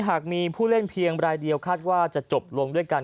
หากมีผู้เล่นเพียงรายเดียวคาดว่าจะจบลงด้วยกัน